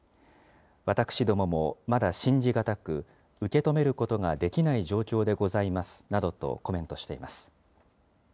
私どももまだ信じ難く、受け止めることができない状況でございますなどとコメントしています。